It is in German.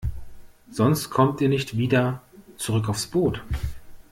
Sonst kommt ihr nicht wieder zurück aufs Boot.